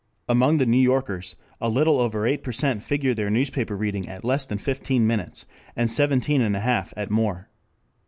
Among the New Yorkers a little over eight percent figured their newspaper reading at less than fifteen minutes, and seventeen and a half at more.